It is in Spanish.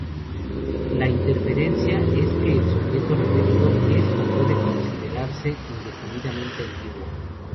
La inferencia es que el sujeto referido es, o puede considerarse, indefinidamente antiguo.